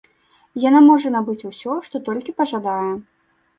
Яна можа набыць усё, што толькі пажадае.